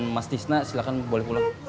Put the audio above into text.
mas tisna silahkan boleh pulang